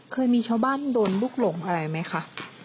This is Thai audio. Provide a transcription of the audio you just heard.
เคยมีชาวบ้านโดนลูกหลงอะไรไหมคะ